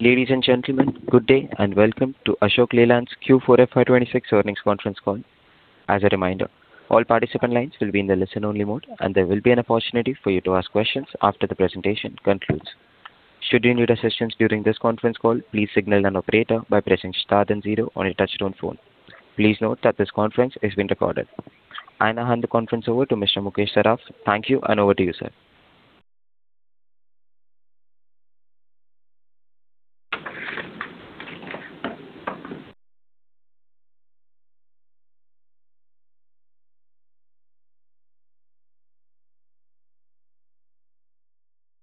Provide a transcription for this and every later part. Ladies and gentlemen, good day and welcome to Ashok Leyland's Q4 FY 2026 earnings conference call. I now hand the conference over to Mr. Mukesh Saraf. Thank you, and over to you, sir.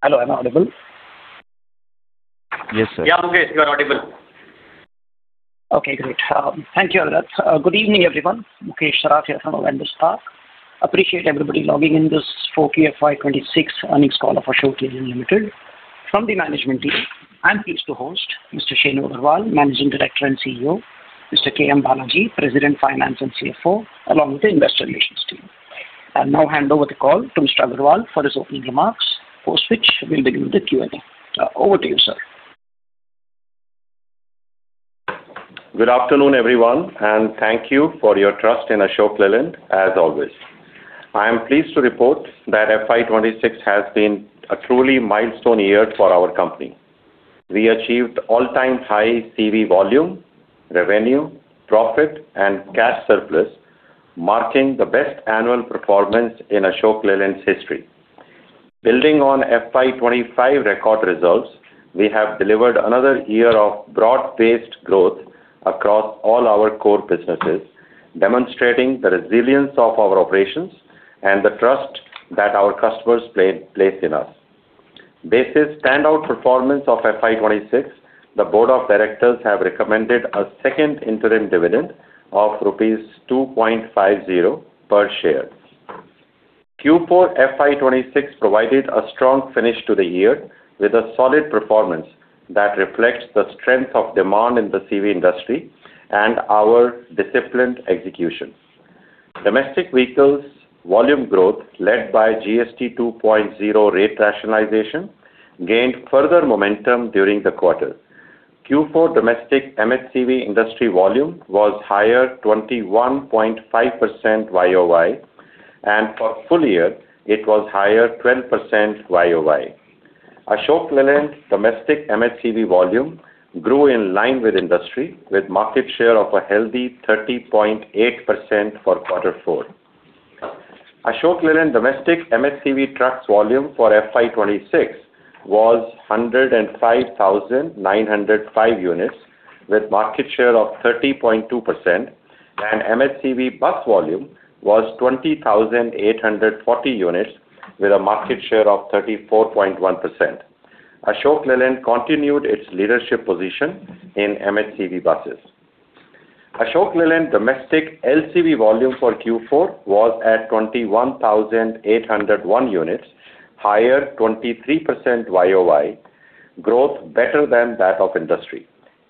Hello, am I audible? Yes, sir. Yeah, Mukesh, you are audible. Okay, great. Thank you, Adel. Good evening, everyone. Mukesh Saraf here from Avendus Spark. Appreciate everybody logging in this 4Q FY 2026 earnings call for Ashok Leyland Limited. From the management team, I am pleased to host Mr. Shenu Agarwal, Managing Director and CEO, Mr. K. M. Balaji, President Finance and CFO, along with the investor relations team. I will now hand over the call to Mr. Agarwal for his opening remarks, for which we will begin the Q&A. Over to you, sir. Good afternoon, everyone, thank you for your trust in Ashok Leyland, as always. I am pleased to report that FY 2026 has been a truly milestone year for our company. We achieved all-time high CV volume, revenue, profit and cash surplus, marking the best annual performance in Ashok Leyland's history. Building on FY 2025 record results, we have delivered another year of broad-based growth across all our core businesses, demonstrating the resilience of our operations and the trust that our customers place in us. Based on standout performance of FY 2026, the board of directors have recommended a second interim dividend of rupees 2.50 per share. Q4 FY 2026 provided a strong finish to the year, with a solid performance that reflects the strength of demand in the CV industry and our disciplined execution. Domestic vehicles volume growth, led by GST 2.0 rate rationalization, gained further momentum during the quarter. Q4 domestic MHCV industry volume was higher 21.5% YoY, and for full year, it was higher 12% YoY. Ashok Leyland domestic MHCV volume grew in line with industry, with market share of a healthy 30.8% for quarter four. Ashok Leyland domestic MHCV trucks volume for FY 2026 was 105,905 units, with market share of 30.2%, and MHCV bus volume was 20,840 units, with a market share of 34.1%. Ashok Leyland continued its leadership position in MHCV buses. Ashok Leyland domestic LCV volume for Q4 was at 21,801 units, higher 23% YoY, growth better than that of industry.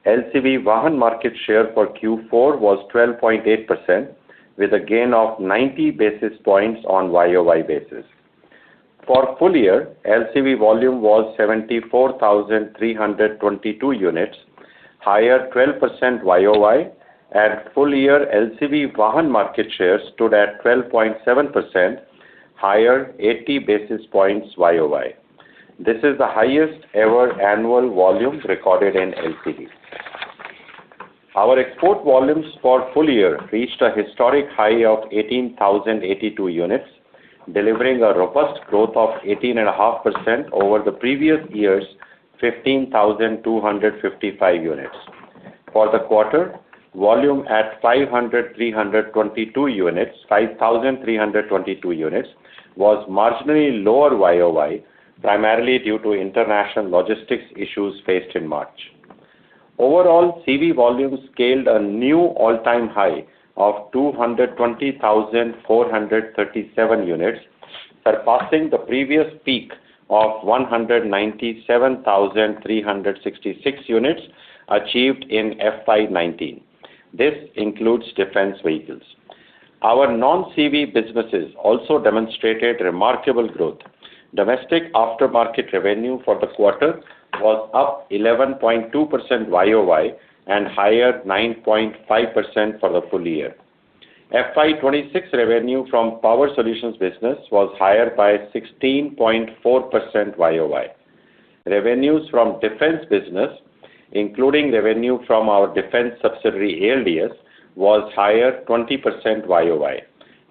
LCV Vahan market share for Q4 was 12.8%, with a gain of 90 basis points on YoY basis. For full year, LCV volume was 74,322 units, higher 12% YoY, and full year LCV Vahan market share stood at 12.7%, higher 80 basis points YoY. This is the highest ever annual volume recorded in LCV. Our export volumes for full year reached a historic high of 18,082 units, delivering a robust growth of 18.5% over the previous years 15,255 units. For the quarter, volume at 5,322 units was marginally lower YoY, primarily due to international logistics issues faced in March. Overall, CV volumes scaled a new all-time high of 220,437 units, surpassing the previous peak of 197,366 units achieved in FY 2019. This includes defence vehicles. Our non-CV businesses also demonstrated remarkable growth. Domestic aftermarket revenue for the quarter was up 11.2% YoY and higher 9.5% for the full year. FY 2026 revenue from power solutions business was higher by 16.4% YoY. Revenues from Defence business, including revenue from our defence subsidiary, ALDS, was higher 20% YoY.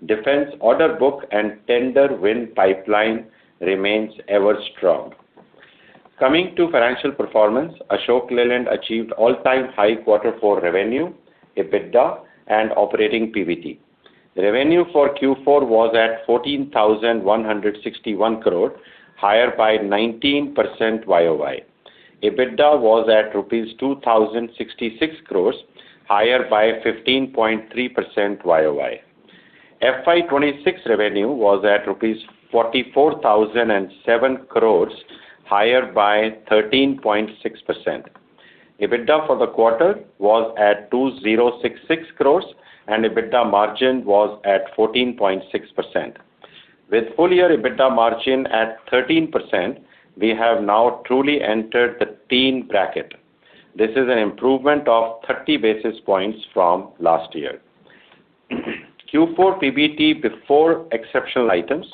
Defence order book and tender win pipeline remains ever strong. Coming to financial performance, Ashok Leyland achieved all-time high quarter four revenue, EBITDA and operating PBT. Revenue for Q4 was at 14,161 crore, higher by 19% YoY. EBITDA was at rupees 2,066 crore, higher by 15.3% YoY. FY 2026 revenue was at 44,007 crore rupees, higher by 13.6%. EBITDA for the quarter was at 2,066 crore, and EBITDA margin was at 14.6%. With full year EBITDA margin at 13%, we have now truly entered the teen bracket. This is an improvement of 30 basis points from last year. Q4 PBT before exceptional items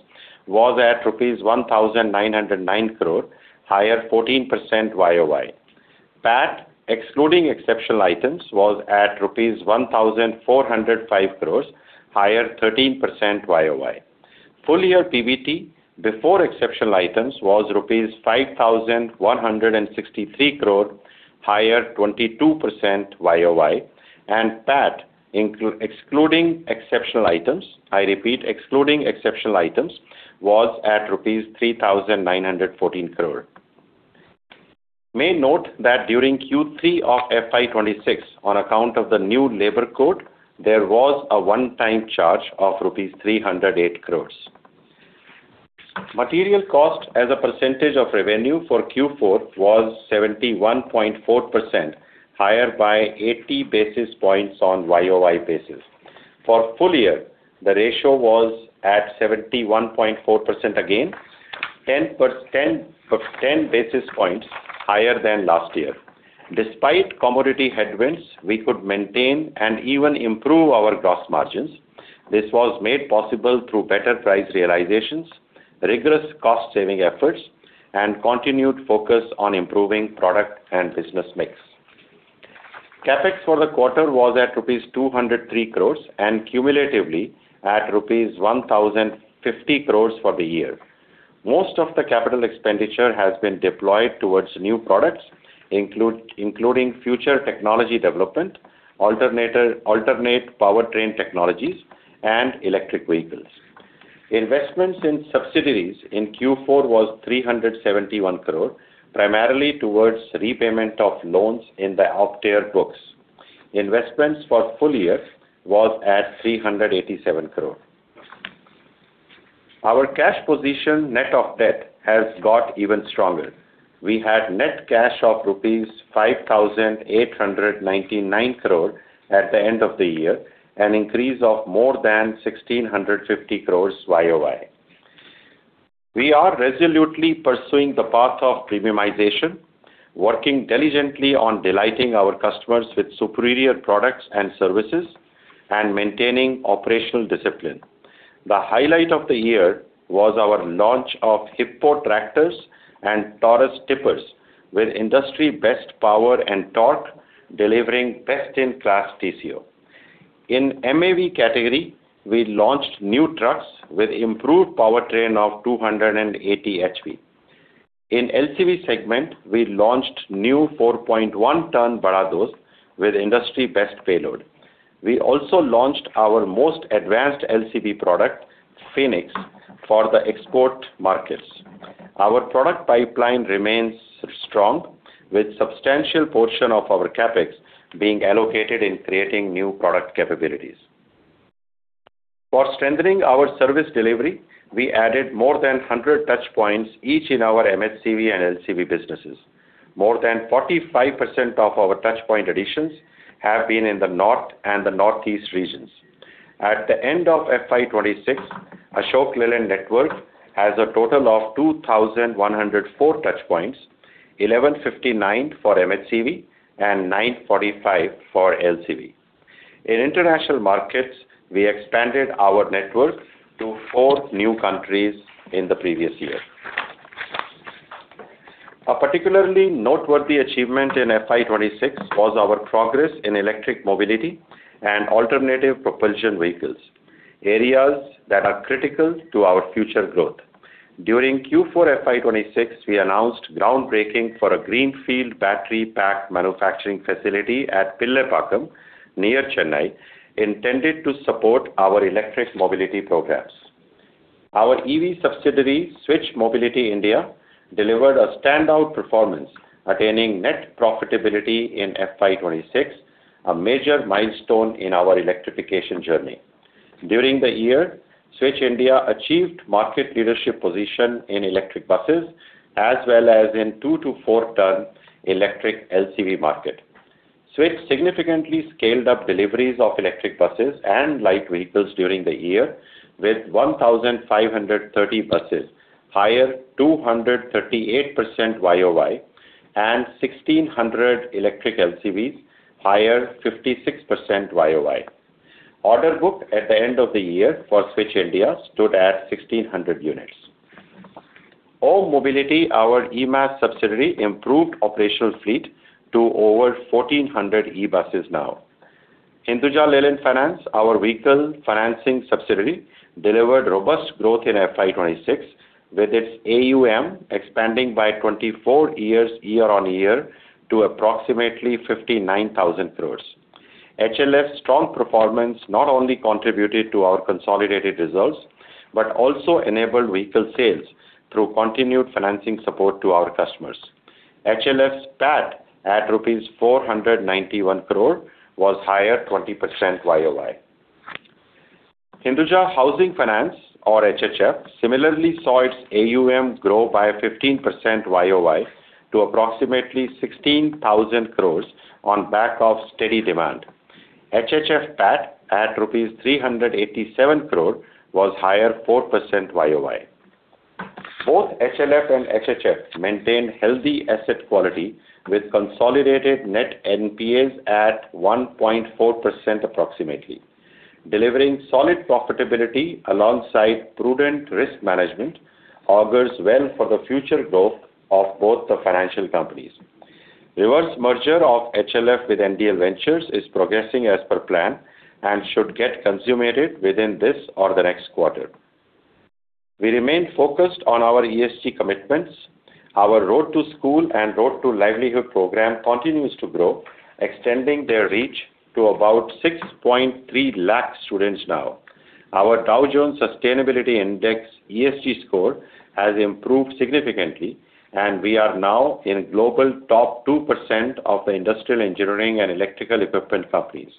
was at rupees 1,909 crore, higher 14% YoY. PAT, excluding exceptional items, was at rupees 1,405 crore, higher 13% YoY. Full year PBT, before exceptional items, was rupees 5,163 crore, higher 22% YoY, and PAT excluding exceptional items, I repeat, excluding exceptional items, was at rupees 3,914 crore. We may note that during Q3 of FY 2026, on account of the new labor code, there was a one-time charge of rupees 308 crore. Material cost as a percentage of revenue for Q4 was 71.4%, higher by 80 basis points on YoY basis. For full year, the ratio was at 71.4% again, 10 basis points higher than last year. Despite commodity headwinds, we could maintain and even improve our gross margins. This was made possible through better price realizations, rigorous cost-saving efforts, and continued focus on improving product and business mix. CapEx for the quarter was at rupees 203 crore and cumulatively at rupees 1,050 crore for the year. Most of the capital expenditure has been deployed towards new products, including future technology development, alternate powertrain technologies, and electric vehicles. Investments in subsidiaries in Q4 was 371 crore, primarily towards repayment of loans in the Optare books. Investments for full year was at 387 crore. Our cash position net of debt has got even stronger. We had net cash of rupees 5,899 crore at the end of the year, an increase of more than 1,650 crores YoY. We are resolutely pursuing the path of premiumization, working diligently on delighting our customers with superior products and services, and maintaining operational discipline. The highlight of the year was our launch of HIPPO tractors and TAURUS tippers with industry best power and torque, delivering best in class TCO. In MAV category, we launched new trucks with improved powertrain of 280 HP. In LCV segment, we launched new 4.1 ton Bada Dost with industry best payload. We also launched our most advanced LCV product, Phoenix, for the export markets. Our product pipeline remains strong with substantial portion of our CapEx being allocated in creating new product capabilities. For strengthening our service delivery, we added more than 100 touchpoints, each in our MHCV and LCV businesses. More than 45% of our touchpoint additions have been in the North and the Northeast regions. At the end of FY 2026, Ashok Leyland network has a total of 2,104 touchpoints, 1,159 for MHCV and 945 for LCV. In international markets, we expanded our network to four new countries in the previous year. A particularly noteworthy achievement in FY 2026 was our progress in electric mobility and alternative propulsion vehicles, areas that are critical to our future growth. During Q4 FY 2026, we announced groundbreaking for a greenfield battery pack manufacturing facility at Pillaipakkam, near Chennai, intended to support our electric mobility programs. Our EV subsidiary, Switch Mobility India, delivered a standout performance, attaining net profitability in FY 2026, a major milestone in our electrification journey. During the year, Switch India achieved market leadership position in electric buses, as well as in 2-4 ton electric LCV market. Switch significantly scaled up deliveries of electric buses and light vehicles during the year with 1,530 buses, higher 238% YoY and 1,600 electric LCVs, higher 56% YoY. Order book at the end of the year for Switch India stood at 1,600 units. OHM Mobility, our e-MaaS subsidiary, improved operational fleet to over 1,400 e-buses now. Hinduja Leyland Finance, our vehicle financing subsidiary, delivered robust growth in FY 2026 with its AUM expanding by 24% year-on-year to approximately 59,000 crore. HLF's strong performance not only contributed to our consolidated results, but also enabled vehicle sales through continued financing support to our customers. HLF's PAT at INR 491 crore was higher 20% YoY. Hinduja Housing Finance or HHF similarly saw its AUM grow by 15% YoY to approximately 16,000 crore on back of steady demand. HHF PAT at rupees 387 crore was higher 4% YoY. Both HLF and HHF maintain healthy asset quality with consolidated net NPAs at 1.4% approximately. Delivering solid profitability alongside prudent risk management augurs well for the future growth of both the financial companies. Reverse merger of HLF with NDL Ventures is progressing as per plan and should get consummated within this or the next quarter. We remain focused on our ESG commitments. Our Road to School and Road to Livelihood program continues to grow, extending their reach to about 6.3 lakh students now. Our Dow Jones Sustainability Index ESG score has improved significantly, and we are now in global top 2% of the industrial engineering and electrical equipment companies.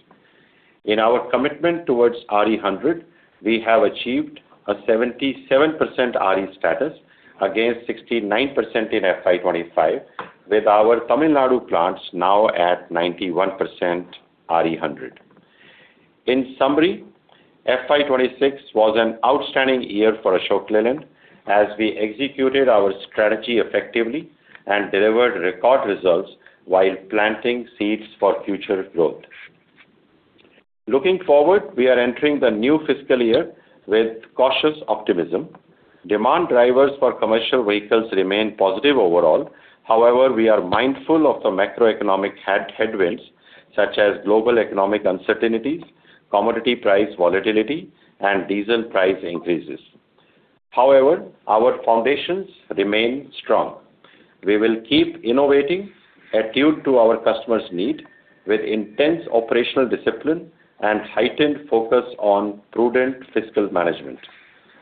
In our commitment towards RE100, we have achieved a 77% RE status against 69% in FY 2025, with our Tamil Nadu plants now at 91% RE100. In summary, FY 2026 was an outstanding year for Ashok Leyland as we executed our strategy effectively and delivered record results while planting seeds for future growth. Looking forward, we are entering the new fiscal year with cautious optimism. Demand drivers for commercial vehicles remain positive overall. We are mindful of the macroeconomic headwinds such as global economic uncertainties, commodity price volatility, and diesel price increases. Our foundations remain strong. We will keep innovating, attuned to our customers' needs, with intense operational discipline and heightened focus on prudent fiscal management.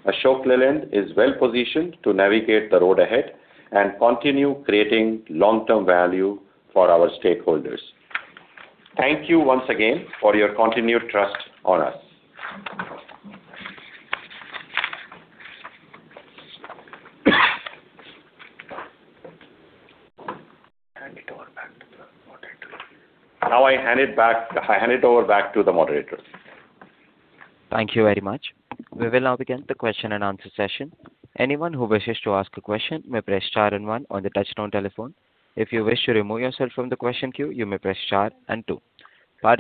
Ashok Leyland is well-positioned to navigate the road ahead and continue creating long-term value for our stakeholders. Thank you once again for your continued trust on us. I hand it over back to the moderator. Thank you very much. We will now begin the question and answer session. The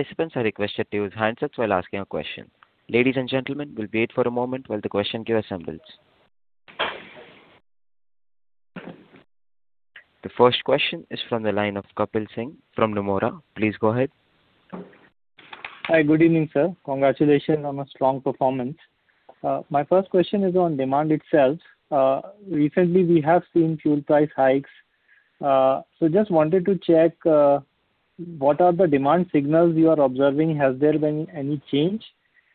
first question is from the line of Kapil Singh from Nomura. Please go ahead. Hi. Good evening, sir. Congratulations on a strong performance. My first question is on demand itself. Recently we have seen fuel price hikes. Just wanted to check, what are the demand signals you are observing? Has there been any change?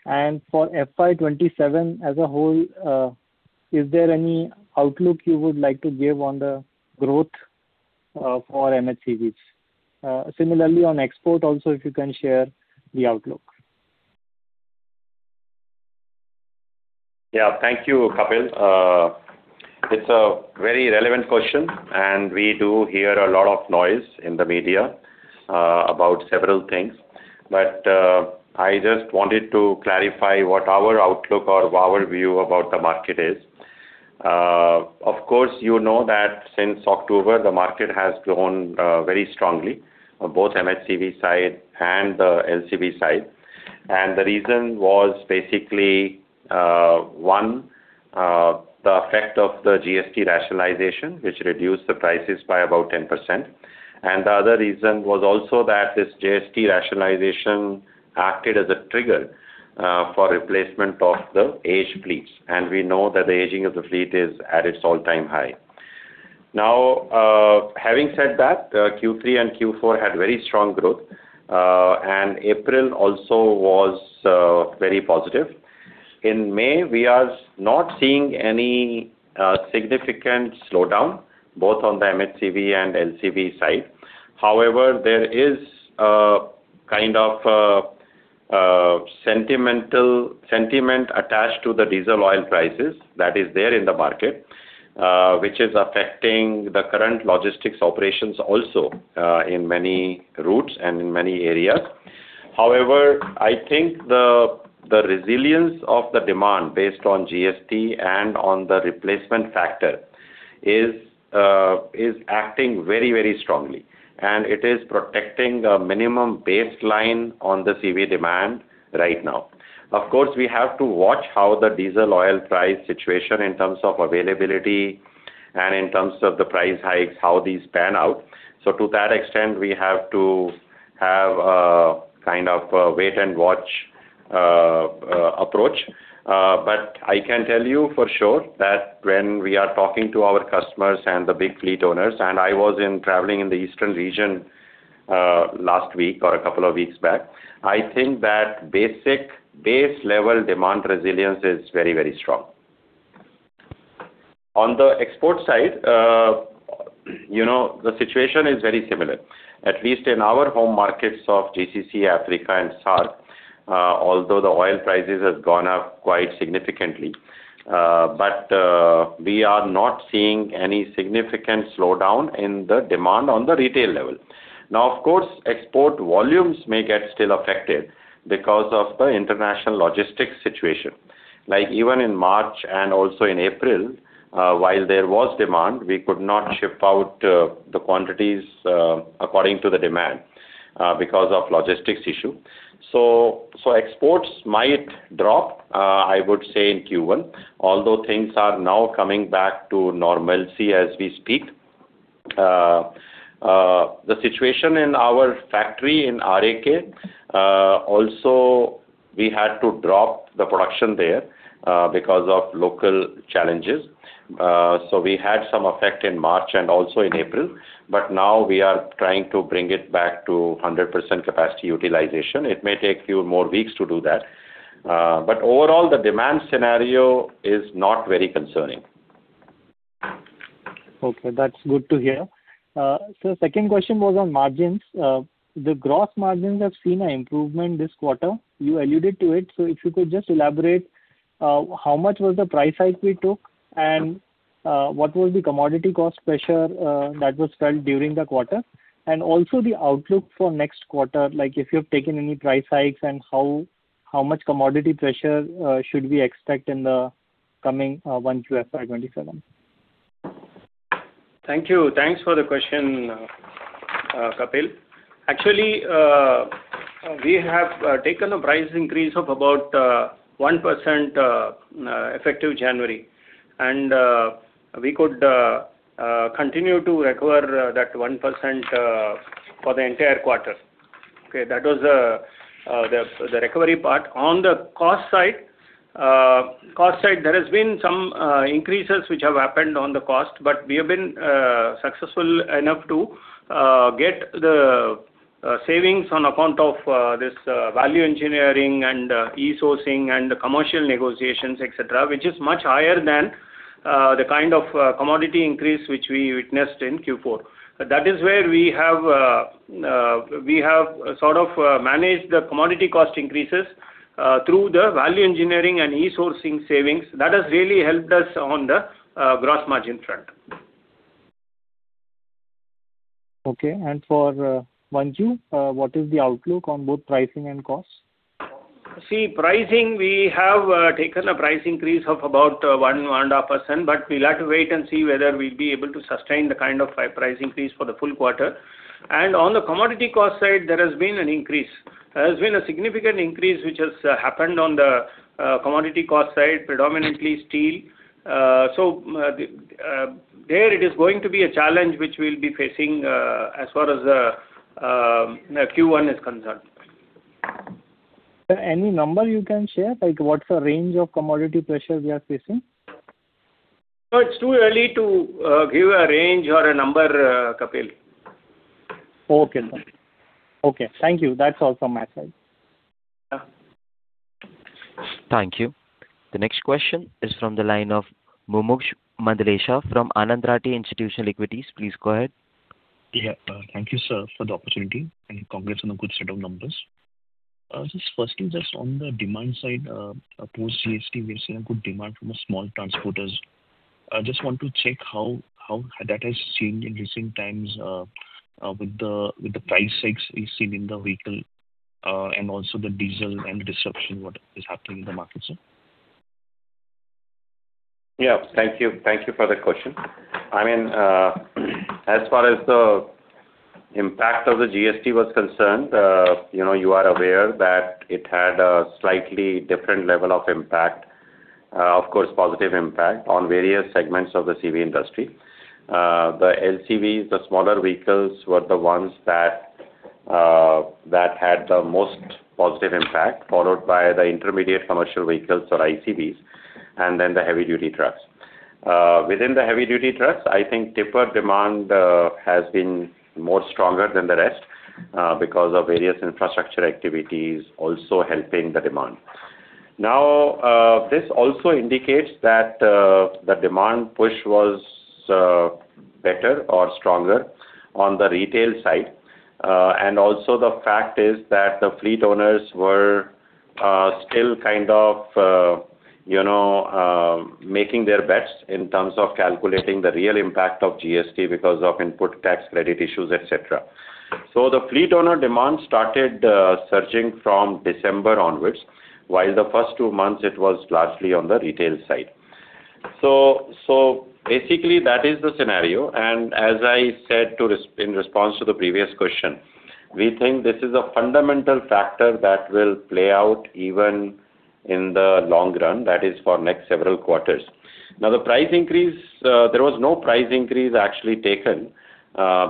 For FY 2027 as a whole, is there any outlook you would like to give on the growth for MHCVs? Similarly, on export also, if you can share the outlook. Thank you, Kapil. It's a very relevant question. We do hear a lot of noise in the media about several things, but I just wanted to clarify what our outlook or what our view about the market is. Of course, you know that since October, the market has grown very strongly on both MHCV side and the LCV side. The reason was basically, one, the effect of the GST rationalization, which reduced the prices by about 10%. The other reason was also that this GST rationalization acted as a trigger for replacement of the aged fleets, and we know that the aging of the fleet is at its all-time high. Now, having said that, Q3 and Q4 had very strong growth, and April also was very positive. In May, we are not seeing any significant slowdown, both on the MHCV and LCV side. There is a kind of a sentiment attached to the diesel oil prices that is there in the market, which is affecting the current logistics operations also, in many routes and in many areas. I think the resilience of the demand based on GST and on the replacement factor is acting very strongly, and it is protecting a minimum baseline on the CV demand right now. Of course, we have to watch how the diesel oil price situation in terms of availability and in terms of the price hikes, how these pan out. To that extent, we have to have a kind of a wait-and-watch approach. I can tell you for sure that when we are talking to our customers and the big fleet owners, and I was traveling in the eastern region last week or a couple of weeks back, I think that basic base-level demand resilience is very strong. On the export side, the situation is very similar. At least in our home markets of GCC, Africa, and SAARC. Although the oil prices have gone up quite significantly. We are not seeing any significant slowdown in the demand on the retail level. Now, of course, export volumes may get still affected because of the international logistics situation. Even in March and also in April, while there was demand, we could not ship out the quantities according to the demand because of logistics issue. Exports might drop, I would say in Q1. Things are now coming back to normalcy as we speak. The situation in our factory in RAK, also we had to drop the production there because of local challenges. We had some effect in March and also in April, now we are trying to bring it back to 100% capacity utilization. It may take few more weeks to do that. Overall, the demand scenario is not very concerning. Okay, that's good to hear. Sir, second question was on margins. The gross margins have seen an improvement this quarter. You alluded to it. If you could just elaborate, how much was the price hike we took, and what was the commodity cost pressure that was felt during the quarter? Also the outlook for next quarter, like if you've taken any price hikes and how much commodity pressure should we expect in the coming 1Q FY 2027? Thank you. Thanks for the question, Kapil. Actually, we have taken a price increase of about 1% effective January, and we could continue to recover that 1% for the entire quarter. Okay, that was the recovery part. On the cost side, there has been some increases which have happened on the cost, but we have been successful enough to get the savings on account of this value engineering and e-sourcing and commercial negotiations, et cetera, which is much higher than the kind of commodity increase which we witnessed in Q4. That is where we have sort of managed the commodity cost increases through the value engineering and e-sourcing savings. That has really helped us on the gross margin front. Okay. For margins, what is the outlook on both pricing and costs? See, pricing, we have taken a price increase of about 1.5%, but we'll have to wait and see whether we'll be able to sustain the kind of price increase for the full quarter. On the commodity cost side, there has been an increase. There has been a significant increase which has happened on the commodity cost side, predominantly steel. There it is going to be a challenge which we'll be facing as far as Q1 is concerned. Sir, any number you can share? Like what's the range of commodity pressure we are facing? No, it's too early to give a range or a number, Kapil. Okay. Thank you. That's all from my side. Thank you. The next question is from the line of Mumuksh Mandlesha from Anand Rathi Institutional Equities. Please go ahead. Yeah. Thank you, sir, for the opportunity, and congrats on the good set of numbers. Just firstly, just on the demand side, post GST, we're seeing a good demand from the small transporters. Just want to check how that has changed in recent times with the price hikes we've seen in the vehicle and also the diesel and disruption, what is happening in the market, sir. Thank you for the question. As far as the impact of the GST was concerned, you are aware that it had a slightly different level of impact, of course, positive impact on various segments of the CV industry. The LCVs, the smaller vehicles were the ones that had the most positive impact, followed by the intermediate commercial vehicles or ICVs, and then the heavy duty trucks. Within the heavy duty trucks, I think tipper demand has been more stronger than the rest because of various infrastructure activities also helping the demand. Now, this also indicates that the demand push was better or stronger on the retail side. Also the fact is that the fleet owners were still kind of making their bets in terms of calculating the real impact of GST because of input tax credit issues, et cetera. The fleet owner demand started surging from December onwards, while the first two months it was largely on the retail side. Basically that is the scenario, and as I said in response to the previous question, we think this is a fundamental factor that will play out even in the long run, that is for next several quarters. The price increase, there was no price increase actually taken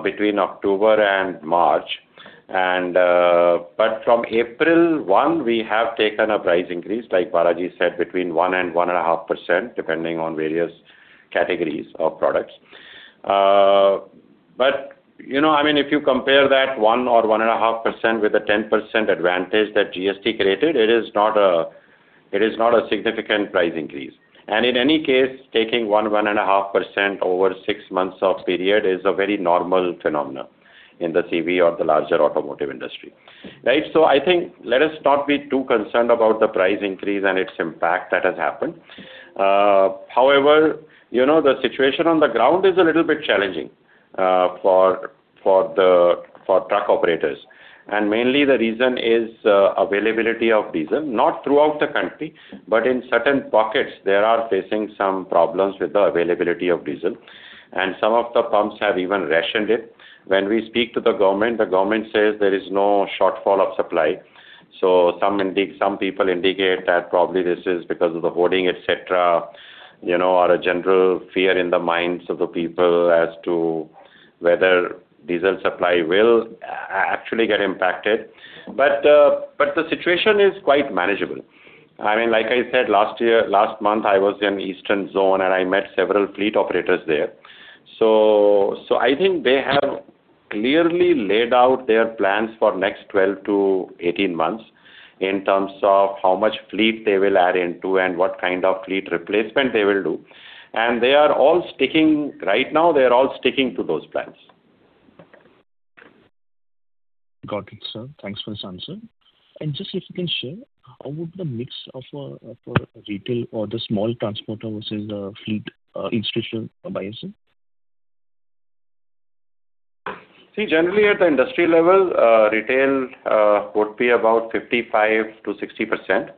between October and March. From April 1, we have taken a price increase, like Balaji said, between 1% and 1.5%, depending on various categories of products. If you compare that 1% or 1.5% with the 10% advantage that GST created, it is not a significant price increase. In any case, taking 1%, 1.5% over six months of period is a very normal phenomenon in the CV or the larger automotive industry. I think, let us not be too concerned about the price increase and its impact that has happened. However, the situation on the ground is a little bit challenging for truck operators. Mainly the reason is availability of diesel, not throughout the country, but in certain pockets, they are facing some problems with the availability of diesel. Some of the pumps have even rationed it. When we speak to the government, the government says there is no shortfall of supply. Some people indicate that probably this is because of the hoarding, et cetera, or a general fear in the minds of the people as to whether diesel supply will actually get impacted. The situation is quite manageable. Like I said, last month I was in the eastern zone and I met several fleet operators there. I think they have clearly laid out their plans for next 12-18 months in terms of how much fleet they will add into and what kind of fleet replacement they will do. Right now they are all sticking to those plans. Got it, sir. Thanks for this answer. Just if you can share, how would the mix of retail or the small transporter versus fleet institutional buyers? See, generally at the industry level, retail would be about 55%-60%,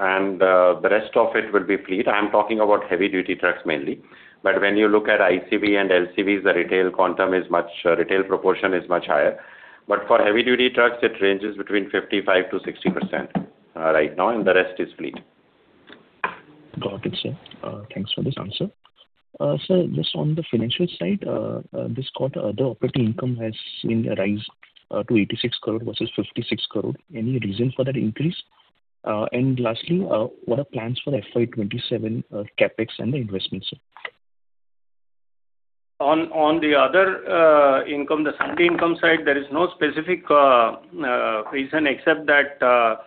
and the rest of it will be fleet. I'm talking about heavy-duty trucks mainly. When you look at ICV and LCVs, the retail proportion is much higher. For heavy-duty trucks, it ranges between 55%-60% right now, and the rest is fleet. Got it, sir. Thanks for this answer. Sir, just on the financial side, this quarter, the operating income has seen a rise to 86 crore versus 56 crore. Any reason for that increase? Lastly, what are the plans for FY 2027 CapEx and the investments? On the other income, the sundry income side, there is no specific reason except that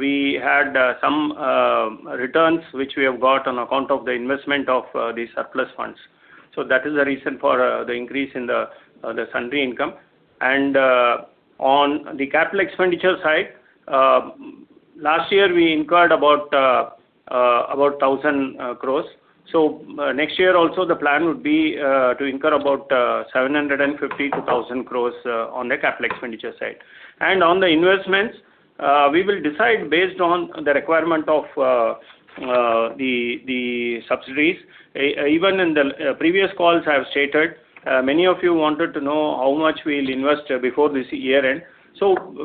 we had some returns which we have got on account of the investment of the surplus funds. That is the reason for the increase in the sundry income. On the capital expenditure side, last year we incurred about a thousand crores. Next year also the plan would be to incur about 750 crore-1,000 crore on the capital expenditure side. On the investments, we will decide based on the requirement of the subsidiaries. Even in the previous calls I have stated, many of you wanted to know how much we'll invest before this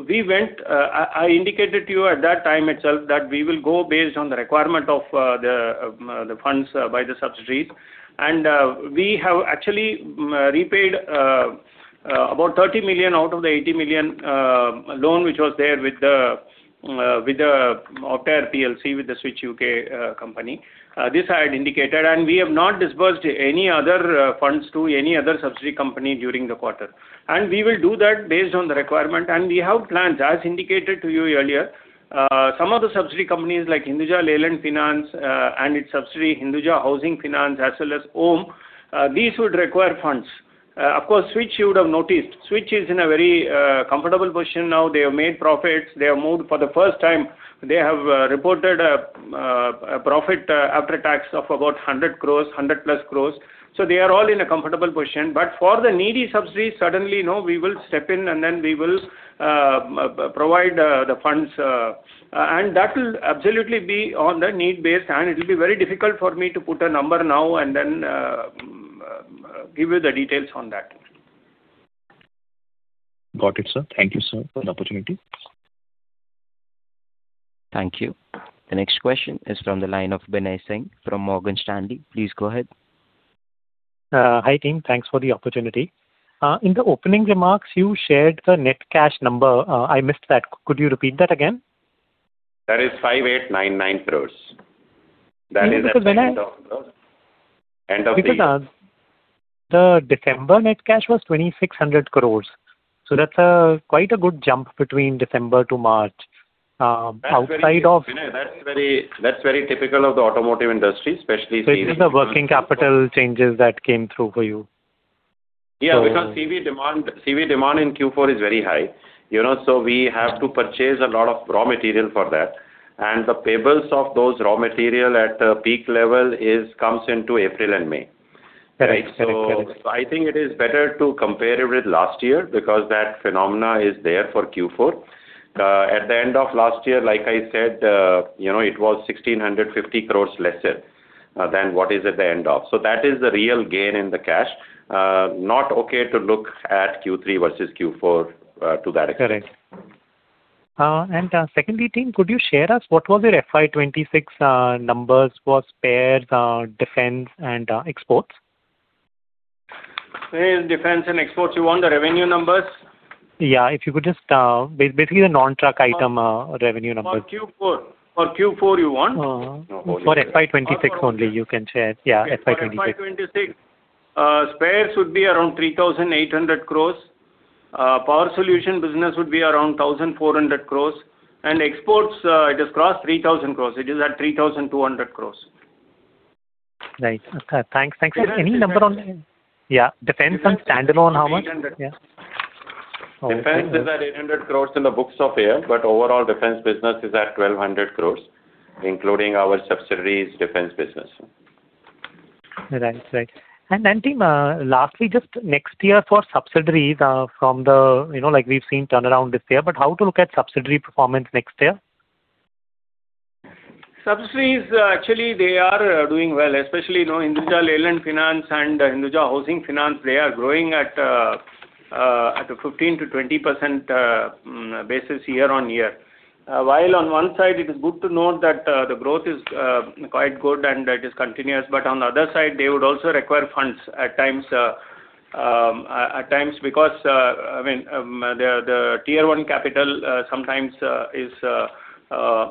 year-end. I indicated to you at that time itself that we will go based on the requirement of the funds by the subsidiaries. We have actually repaid about 30 million out of the 80 million loan which was there with the Optare PLC, with the Switch U.K. company. This I had indicated. We have not disbursed any other funds to any other subsidiary company during the quarter. We will do that based on the requirement. We have plans, as indicated to you earlier, some of the subsidiary companies like Hinduja Leyland Finance, and its subsidiary, Hinduja Housing Finance, as well as OHM, these would require funds. Of course, Switch, you would have noticed. Switch is in a very comfortable position now. They have made profits. For the first time, they have reported a profit after tax of about 100+ crores. They are all in a comfortable position. For the needy subsidiaries, certainly, we will step in and then we will provide the funds. That will absolutely be on the need base, and it will be very difficult for me to put a number now and then give you the details on that. Got it, sir. Thank you, sir, for the opportunity. Thank you. The next question is from the line of Binay Singh from Morgan Stanley. Please go ahead. Hi, team. Thanks for the opportunity. In the opening remarks, you shared the net cash number. I missed that. Could you repeat that again? That is 5,899 crores. That is at the end of the- The December net cash was 2,600 crore. That's quite a good jump between December to March. Binay, that's very typical of the automotive industry, especially CV. It is the working capital changes that came through for you. Yeah, because CV demand in Q4 is very high. We have to purchase a lot of raw material for that. The payables of those raw material at peak level comes into April and May. Correct. I think it is better to compare it with last year because that phenomenon is there for Q4. At the end of last year, like I said, it was 1,650 crore lesser than what is at the end of. That is the real gain in the cash. Not okay to look at Q3 versus Q4 to that extent. Correct. Secondly, team, could you share us what was your FY 2026 numbers for spares, defence, and exports? Binay, defence and exports, you want the revenue numbers? Yeah, if you could just, basically the non-truck item revenue numbers. For Q4 you want? For FY 2026 only, you can share. Yeah, FY 2026. Spares would be around 3,800 crore. Power solution business would be around 1,400 crore. Exports, it has crossed 3,000 crore. It is at 3,200 crore. Right. Okay. Thanks. Any number on- Yeah. Defence and Standalone, how much? Yeah. Defence is at 800 crores in the books of here, but overall, defence business is at 1,200 crores, including our subsidiaries' defence business. Right. Team, lastly, just next year for subsidiaries, like we've seen turnaround this year. How to look at subsidiary performance next year? Subsidiaries, actually, they are doing well. Especially, Hinduja Leyland Finance and Hinduja Housing Finance, they are growing at a 15%-20% basis year-on-year. While on one side it is good to note that the growth is quite good and it is continuous, but on the other side, they would also require funds at times because the Tier 1 capital sometimes is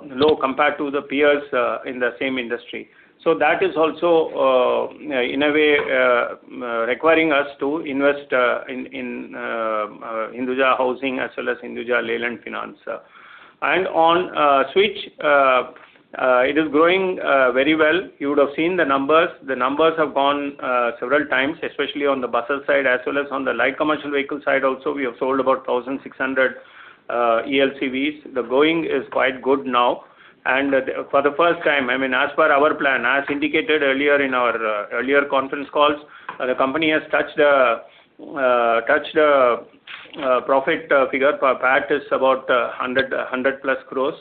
low compared to the peers in the same industry. That is also, in a way, requiring us to invest in Hinduja Housing as well as Hinduja Leyland Finance. On Switch, it is growing very well. You would have seen the numbers. The numbers have gone several times, especially on the buses side as well as on the light commercial vehicle side also, we have sold about 1,600 ELCVs. The going is quite good now. For the first time, as per our plan, as indicated earlier in our earlier conference calls, the company has touched a profit figure. Our PAT is about 100+ crore.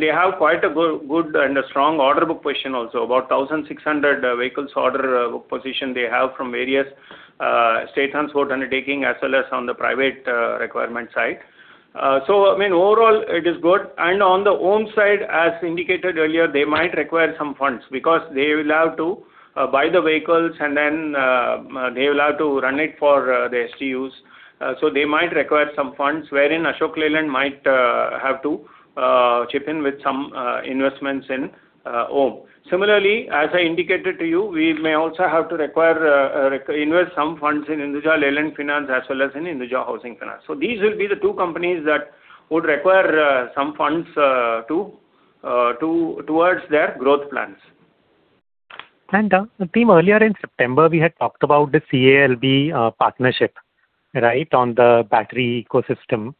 They have quite a good and a strong order book position also. About 1,600 vehicles order book position they have from various state transport undertaking as well as on the private requirement side. Overall, it is good. On the OHM side, as indicated earlier, they might require some funds because they will have to buy the vehicles and then they will have to run it for the STUs. They might require some funds, wherein Ashok Leyland might have to chip in with some investments in OHM. Similarly, as I indicated to you, we may also have to invest some funds in Hinduja Leyland Finance as well as in Hinduja Housing Finance. These will be the two companies that would require some funds towards their growth plans. Team, earlier in September, we had talked about the CALB partnership on the battery ecosystem.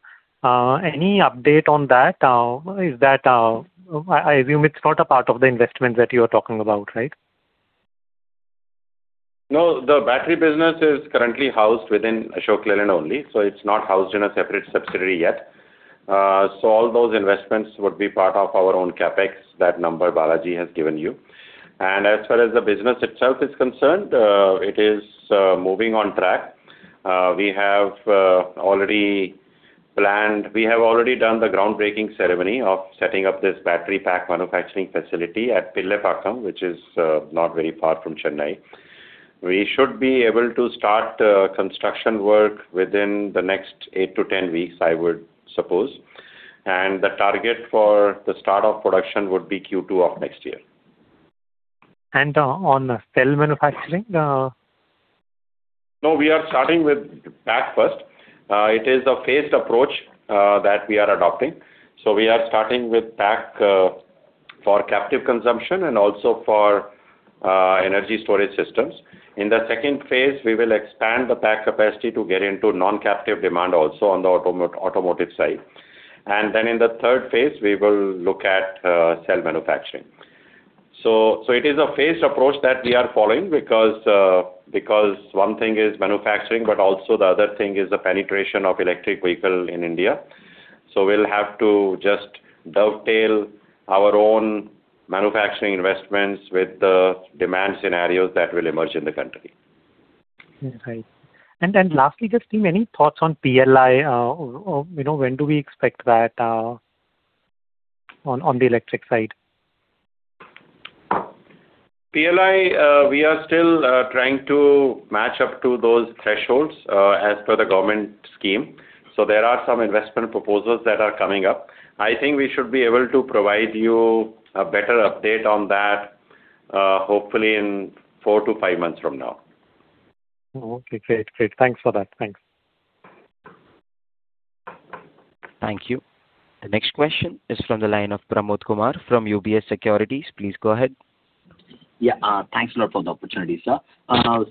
Any update on that? I assume it's not a part of the investment that you are talking about, right? No, the battery business is currently housed within Ashok Leyland only, so it's not housed in a separate subsidiary yet. All those investments would be part of our own CapEx, that number Balaji has given you. As far as the business itself is concerned, it is moving on track. We have already done the groundbreaking ceremony of setting up this battery pack manufacturing facility at Pillaipakkam, which is not very far from Chennai. We should be able to start construction work within the next 8-10 weeks, I would suppose. The target for the start of production would be Q2 of next year. On cell manufacturing? No, we are starting with pack first. It is a phased approach that we are adopting. We are starting with pack for captive consumption and also for energy storage systems. In the second phase, we will expand the pack capacity to get into non-captive demand also on the automotive side. Then in the third phase, we will look at cell manufacturing. It is a phased approach that we are following because one thing is manufacturing, but also the other thing is the penetration of electric vehicle in India. We'll have to just dovetail our own manufacturing investments with the demand scenarios that will emerge in the country. Right. Lastly, just team, any thoughts on PLI? When do we expect that on the electric side? PLI, we are still trying to match up to those thresholds as per the government scheme. There are some investment proposals that are coming up. I think we should be able to provide you a better update on that, hopefully in four to five months from now. Okay, great. Thanks for that. Thanks. Thank you. The next question is from the line of Pramod Kumar from UBS Securities. Please go ahead. Yeah. Thanks a lot for the opportunity, sir.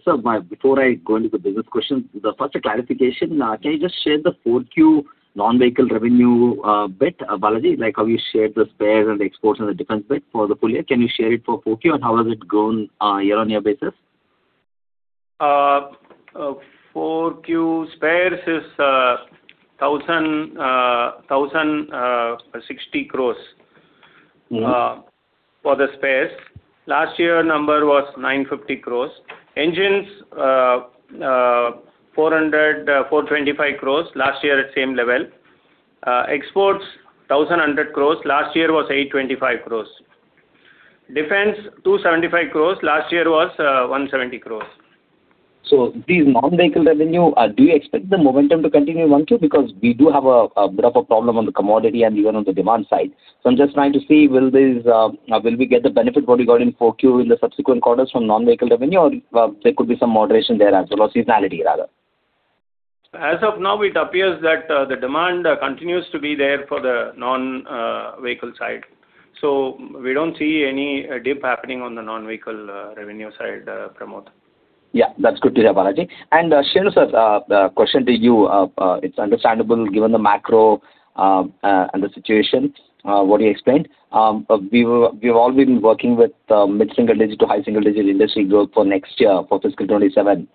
Sir, before I go into the business questions, first a clarification. Can you just share the 4Q non-vehicle revenue bit, Balaji, like how you shared the spares and exports and the defence bit for the full year. Can you share it for 4Q and how has it grown year-on-year basis? 4Q spares is 1,060 crores for the spares. Last year number was 950 crores. Engines, 425 crores. Last year at same level. Exports, 1,100 crores. Last year was 825 crores. Defence, 275 crores. Last year was 170 crores. These non-vehicle revenue, do you expect the momentum to continue in 1Q? We do have a bit of a problem on the commodity and even on the demand side. I'm just trying to see, will we get the benefit what we got in 4Q in the subsequent quarters from non-vehicle revenue, or there could be some moderation there as well? Seasonality, rather. As of now, it appears that the demand continues to be there for the non-vehicle side. We don't see any dip happening on the non-vehicle revenue side, Pramod. Yeah, that's good to hear, Balaji. Shenu sir, the question to you, it's understandable given the macro and the situation, what you explained. We've all been working with mid-single digit to high single-digit industry growth for next year for fiscal 2027.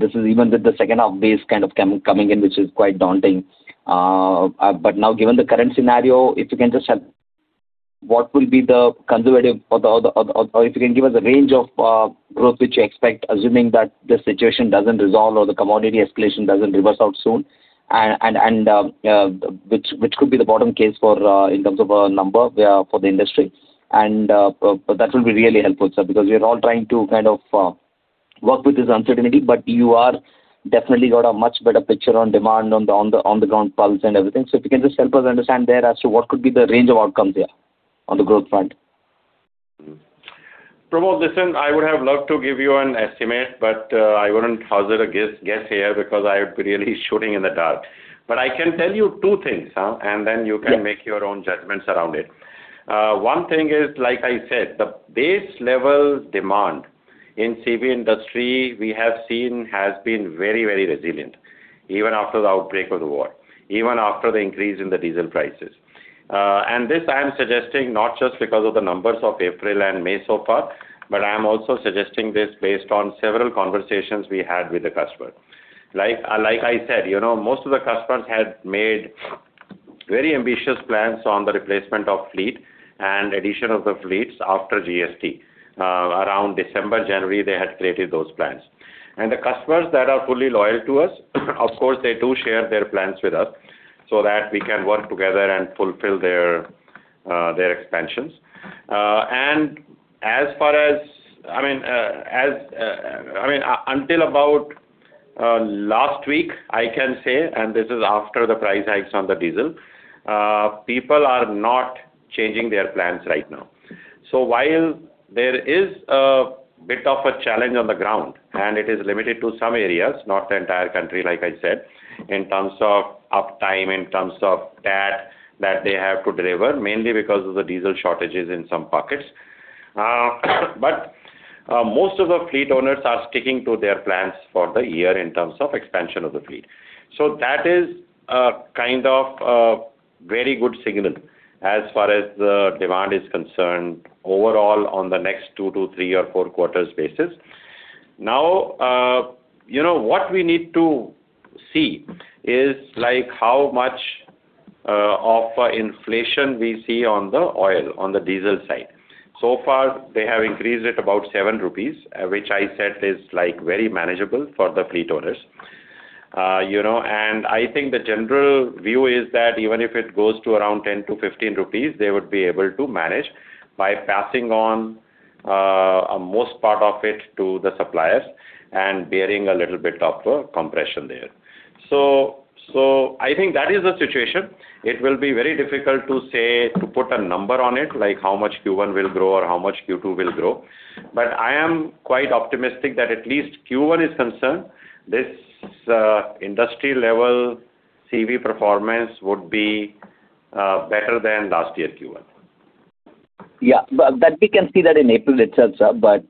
This is even with the second half base kind of coming in, which is quite daunting. Now given the current scenario, if you can just help, what will be the conservative or if you can give us a range of growth which you expect, assuming that the situation doesn't resolve or the commodity escalation doesn't reverse out soon, and which could be the bottom case in terms of a number for the industry. That will be really helpful, sir, because we are all trying to work with this uncertainty, but you are definitely got a much better picture on demand on the ground pulse and everything. If you can just help us understand there as to what could be the range of outcomes there on the growth front? Pramod, listen, I would have loved to give you an estimate, I wouldn't hazard a guess here because I'm really shooting in the dark. I can tell you two things, then you can make your own judgments around it. One thing is, like I said, the base level demand in CV industry we have seen has been very resilient, even after the outbreak of the war, even after the increase in the diesel prices. This I am suggesting not just because of the numbers of April and May so far, I am also suggesting this based on several conversations we had with the customer. Like I said, most of the customers had made very ambitious plans on the replacement of fleet and addition of the fleets after GST. Around December, January, they had created those plans. The customers that are fully loyal to us, of course, they do share their plans with us so that we can work together and fulfill their expansions. Until about last week, I can say, and this is after the price hikes on the diesel, people are not changing their plans right now. While there is a bit of a challenge on the ground, and it is limited to some areas, not the entire country, like I said, in terms of uptime, in terms of that they have to deliver, mainly because of the diesel shortages in some pockets. Most of the fleet owners are sticking to their plans for the year in terms of expansion of the fleet. That is a kind of very good signal as far as the demand is concerned overall on the next two to three or four quarters basis. Now, what we need to see is how much of inflation we see on the oil, on the diesel side. So far, they have increased it about seven INR, which I said is very manageable for the fleet owners. I think the general view is that even if it goes to around 10-15 rupees, they would be able to manage by passing on most part of it to the suppliers and bearing a little bit of compression there. I think that is the situation. It will be very difficult to put a number on it, like how much Q1 will grow or how much Q2 will grow. I am quite optimistic that at least Q1 is concerned, this industry level CV performance would be better than last year's Q1. Yeah. That we can see that in April itself, sir. Okay,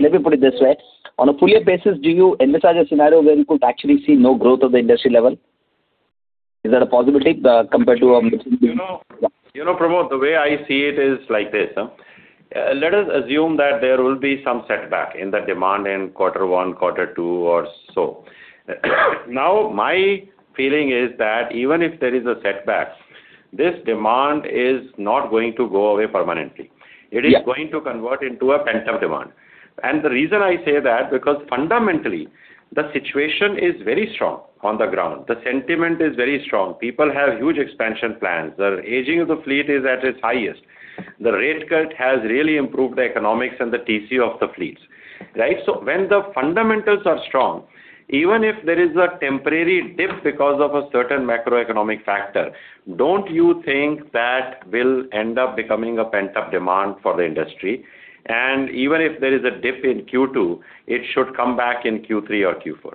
let me put it this way. On a full year basis, do you envisage a scenario where you could actually see no growth of the industry level? Is that a possibility compared to a mid-single digit? Pramod, the way I see it is like this. Let us assume that there will be some setback in the demand in quarter one, quarter two, or so. Now, my feeling is that even if there is a setback, this demand is not going to go away permanently. Yeah. It is going to convert into a pent-up demand. The reason I say that, because fundamentally, the situation is very strong on the ground. The sentiment is very strong. People have huge expansion plans. The aging of the fleet is at its highest. The rate cut has really improved the economics and the TCO of the fleets. Right? When the fundamentals are strong, even if there is a temporary dip because of a certain macroeconomic factor, don't you think that will end up becoming a pent-up demand for the industry? Even if there is a dip in Q2, it should come back in Q3 or Q4.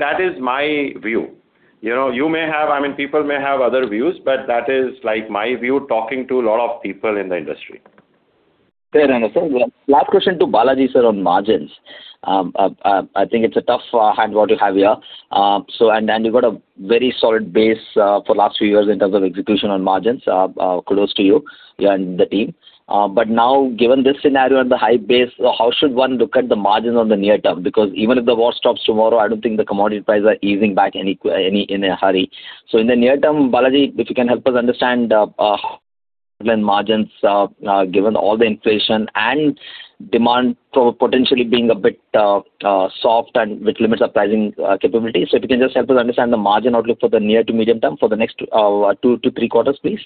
That is my view. People may have other views, but that is my view, talking to a lot of people in the industry. Fair enough, sir. Last question to Balaji, sir, on margins. I think it's a tough hand what you have here. You've got a very solid base for last few years in terms of execution on margins. Kudos to you and the team. Now, given this scenario and the high base, how should one look at the margins on the near term? Because even if the war stops tomorrow, I don't think the commodity prices are easing back in a hurry. In the near term, Balaji, if you can help us understand margins given all the inflation and demand potentially being a bit soft and which limits our pricing capabilities. If you can just help us understand the margin outlook for the near to medium term for the next two to three quarters, please.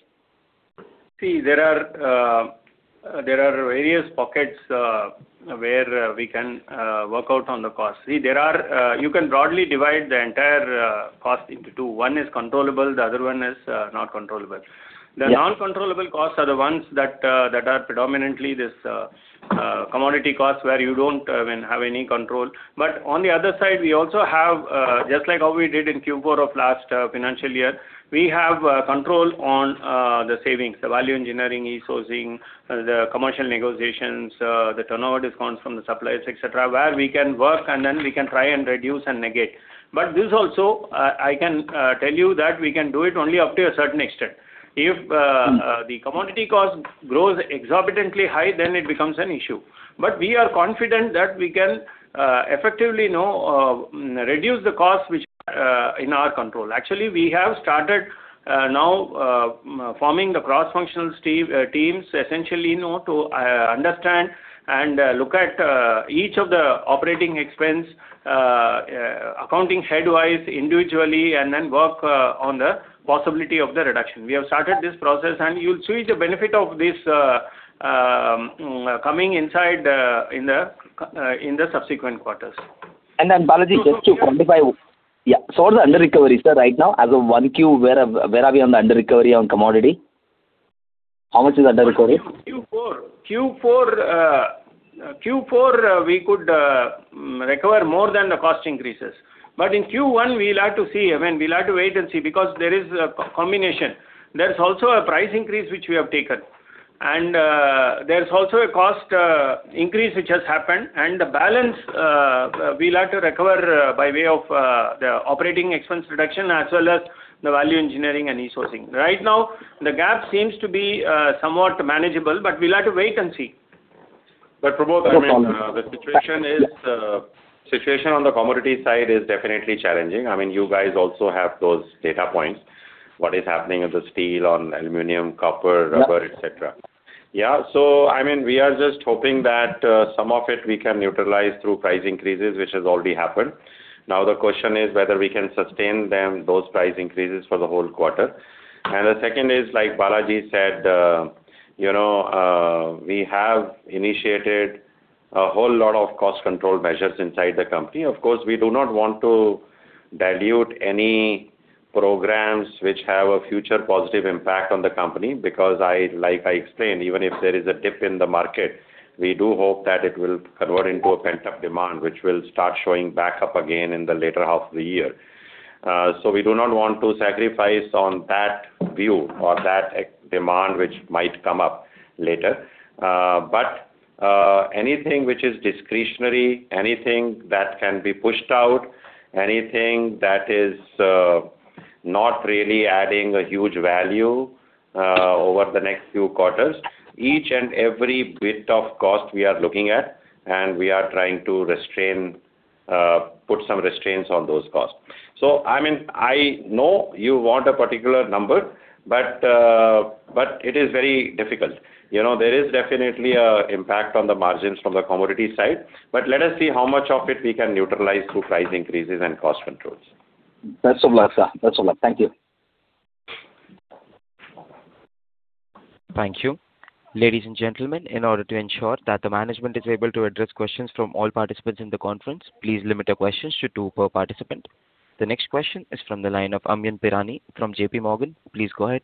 There are various pockets where we can work out on the cost. You can broadly divide the entire cost into two. One is controllable, the other one is not controllable. The non-controllable costs are the ones that are predominantly this commodity costs where you don't have any control. On the other side, we also have, just like how we did in Q4 of last financial year, we have control on the savings, the value engineering, e-sourcing, the commercial negotiations, the turnover discounts from the suppliers, et cetera, where we can work and then we can try and reduce and negate. This also, I can tell you that we can do it only up to a certain extent. If the commodity cost grows exorbitantly high, then it becomes an issue. We are confident that we can effectively reduce the cost which is in our control. Actually, we have started now forming the cross-functional teams essentially to understand and look at each of the operating expense accounting head-wise individually, and then work on the possibility of the reduction. We have started this process, and you'll see the benefit of this coming inside in the subsequent quarters. Balaji, just to quantify. Yeah. The under recovery, sir, right now, as of 1Q, where are we on the under recovery on commodity? How much is the under recovery? Q4, we could recover more than the cost increases. In Q1, we'll have to wait and see because there is a combination. There's also a price increase which we have taken. There's also a cost increase which has happened, and the balance we'll have to recover by way of the operating expense reduction as well as the value engineering and e-sourcing. Right now, the gap seems to be somewhat manageable, but we'll have to wait and see. Pramod, the situation on the commodity side is definitely challenging. You guys also have those data points, what is happening with the steel, on aluminum, copper, rubber, et cetera. Yeah. We are just hoping that some of it we can utilize through price increases, which has already happened. The question is whether we can sustain those price increases for the whole quarter. The second is like Balaji said, we have initiated a whole lot of cost control measures inside the company. Of course, we do not want to dilute any programs which have a future positive impact on the company because like I explained, even if there is a dip in the market, we do hope that it will convert into a pent-up demand, which will start showing back up again in the later half of the year. We do not want to sacrifice on that view or that demand which might come up later. Anything which is discretionary, anything that can be pushed out, anything that is not really adding a huge value over the next few quarters, each and every bit of cost we are looking at, and we are trying to put some restraints on those costs. I know you want a particular number, but it is very difficult. There is definitely an impact on the margins from the commodity side. Let us see how much of it we can neutralize through price increases and cost controls. Best of luck, sir. Thank you. Thank you. Ladies and gentlemen, in order to ensure that the management is able to address questions from all participants in the conference, please limit your questions to two per participant. The next question is from the line of Amyn Pirani from JPMorgan. Please go ahead.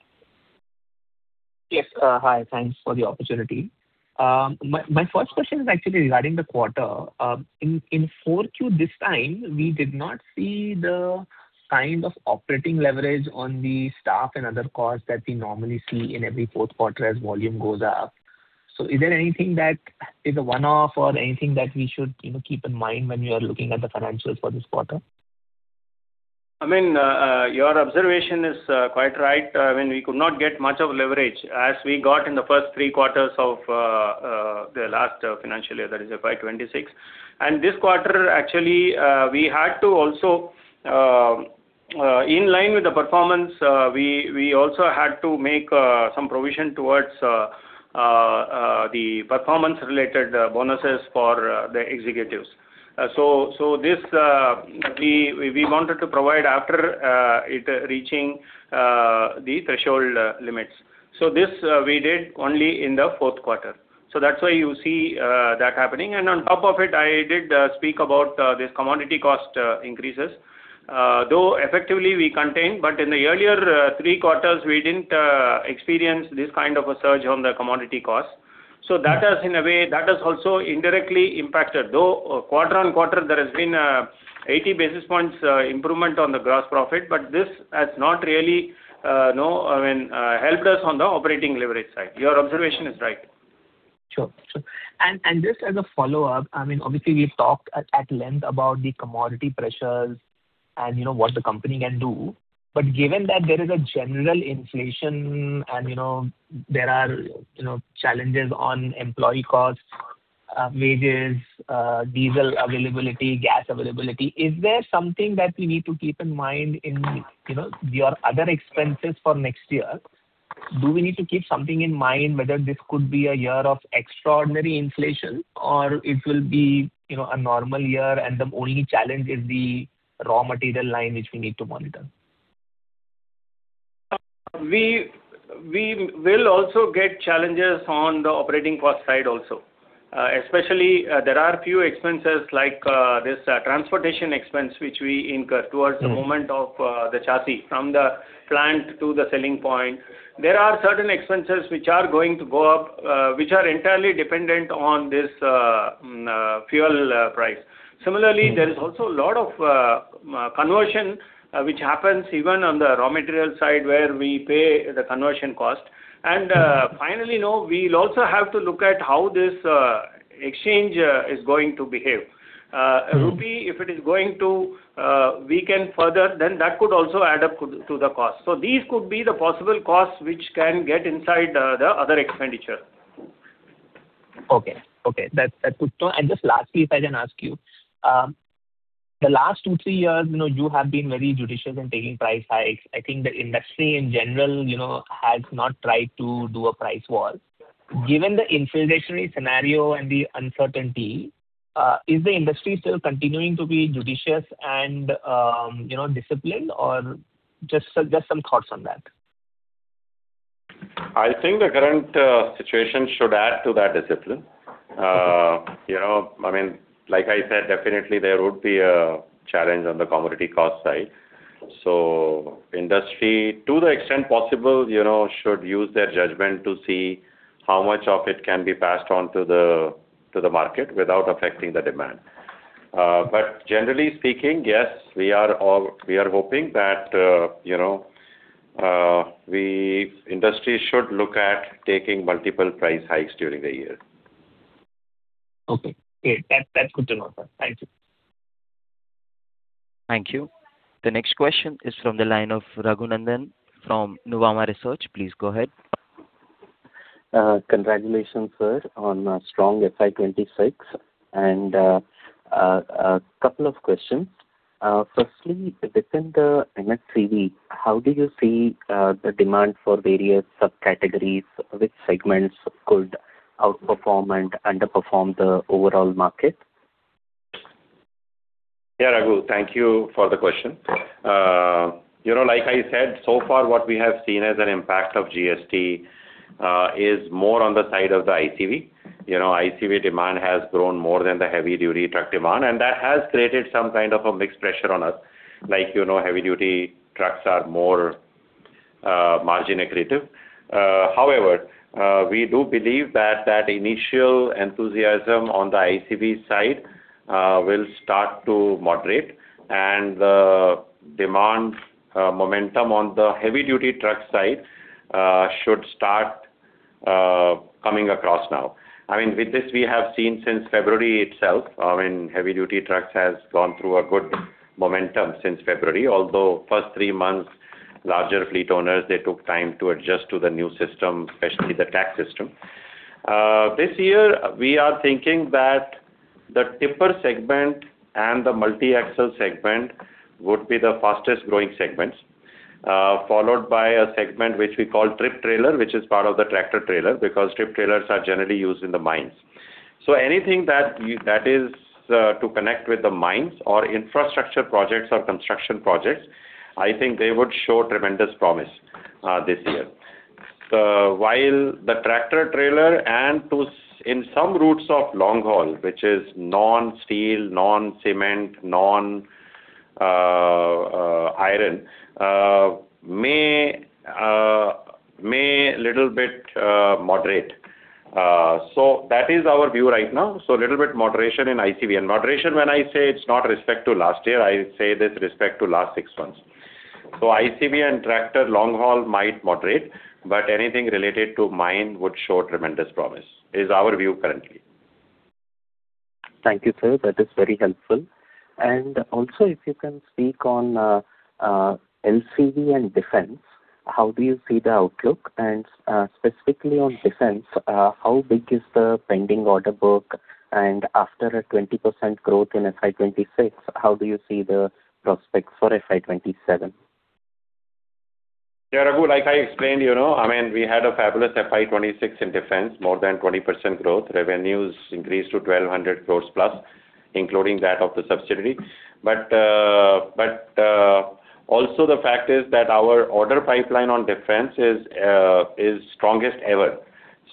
Yes. Hi, thanks for the opportunity. My first question is actually regarding the quarter. In 4Q this time, we did not see the kind of operating leverage on the staff and other costs that we normally see in every fourth quarter as volume goes up. Is there anything that is a one-off or anything that we should keep in mind when we are looking at the financials for this quarter? Amyn, your observation is quite right. We could not get much of leverage as we got in the first three quarters of the last financial year, that is FY 2026. This quarter actually, in line with the performance, we also had to make some provision towards the performance-related bonuses for the executives. This, we wanted to provide after it reaching the threshold limits. This we did only in the fourth quarter. That's why you see that happening. On top of it, I did speak about this commodity cost increases. Though effectively we contained, but in the earlier three quarters, we didn't experience this kind of a surge on the commodity cost. That has also indirectly impacted. Though quarter on quarter, there has been 80 basis points improvement on the gross profit, but this has not really helped us on the operating leverage side. Your observation is right. Sure. Just as a follow-up, obviously we’ve talked at length about the commodity pressures and what the company can do. Given that there is a general inflation and there are challenges on employee costs, wages, diesel availability, gas availability, is there something that we need to keep in mind in your other expenses for next year? Do we need to keep something in mind whether this could be a year of extraordinary inflation or it will be a normal year and the only challenge is the raw material line which we need to monitor? We will also get challenges on the operating cost side also. Especially, there are few expenses like this transportation expense, which we incur towards the movement of the chassis from the plant to the selling point. There are certain expenses which are going to go up, which are entirely dependent on this fuel price. Similarly, there is also a lot of conversion which happens even on the raw material side, where we pay the conversion cost. Finally, we will also have to look at how this exchange is going to behave. Rupee, if it is going to weaken further, then that could also add up to the cost. These could be the possible costs which can get inside the other expenditure. Okay. That's good to know. Just lastly, if I can ask you. The last two, three years, you have been very judicious in taking price hikes. I think the industry in general has not tried to do a price war. Given the inflationary scenario and the uncertainty, is the industry still continuing to be judicious and disciplined or just some thoughts on that? I think the current situation should add to that discipline. Like I said, definitely there would be a challenge on the commodity cost side. Industry, to the extent possible, should use their judgment to see how much of it can be passed on to the market without affecting the demand. Generally speaking, yes, we are hoping that the industry should look at taking multiple price hikes during the year. Okay. Great. That's good to know, sir. Thank you. Thank you. The next question is from the line of Raghunandhan from Nuvama Research. Please go ahead. Congratulations, sir, on a strong FY 2026. A couple of questions. Firstly, within the MHCV, how do you see the demand for various subcategories? Which segments could outperform and underperform the overall market? Yeah, Raghu, thank you for the question. Like I said, so far, what we have seen as an impact of GST is more on the side of the ICV. ICV demand has grown more than the heavy-duty truck demand. That has created some kind of a mixed pressure on us. Like, heavy-duty trucks are more margin accretive. However, we do believe that that initial enthusiasm on the ICV side will start to moderate. The demand momentum on the heavy-duty truck side should start coming across now. With this, we have seen since February itself, heavy-duty trucks has gone through a good momentum since February, although first three months, larger fleet owners, they took time to adjust to the new system, especially the tax system. This year, we are thinking that the tipper segment and the multi-axle segment would be the fastest-growing segments, followed by a segment which we call tip trailer, which is part of the tractor-trailer, because tip trailers are generally used in the mines. Anything that is to connect with the mines or infrastructure projects or construction projects, I think they would show tremendous promise this year. While the tractor-trailer and in some routes of long haul, which is non-steel, non-cement, non-iron, may a little bit moderate. That is our view right now. A little bit moderation in ICV. Moderation when I say, it is not respect to last year, I say this respect to last six months. ICV and tractor long haul might moderate, but anything related to mine would show tremendous promise, is our view currently. Thank you, sir. That is very helpful. Also, if you can speak on LCV and Defence, how do you see the outlook? Specifically on Defence, how big is the pending order book? After a 20% growth in FY 2026, how do you see the prospects for FY 2027? Yeah, Raghu, like I explained, we had a fabulous FY 2026 in Defence, more than 20% growth. Revenues increased to 1,200 crore plus, including that of the subsidiary. Also the fact is that our order pipeline on Defence is strongest ever.